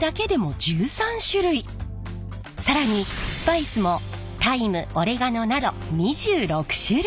更にスパイスもタイムオレガノなど２６種類。